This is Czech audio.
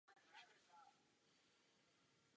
Jsou jednodomé s oboupohlavnými květy.